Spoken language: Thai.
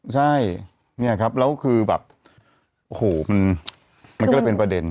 ใช่เนี่ยครับแล้วคือแบบโอ้โหมันก็เลยเป็นประเด็น